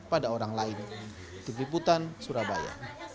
pada orang lain di kiputan surabaya